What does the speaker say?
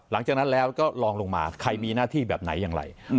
หลังจากนั้นแล้วก็ลองลงมาใครมีหน้าที่แบบไหนอย่างไร